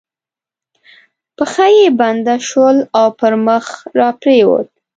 پښه یې بنده شول او پر مخ را پرېوت.